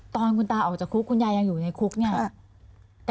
ตอนคุณตาออกจากคุกคุณยายยังอยู่ในคุกเนี่ย